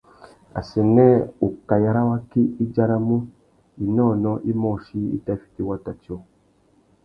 Assênē ukaï râ waki i djaramú « inônōh imôchï i tà fiti wata tiô ».